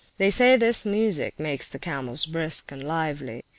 They say this musick make the camels brisk and lively.